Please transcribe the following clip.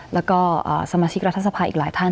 แล้วก็สมาชิกรัฐสภาอีกหลายท่าน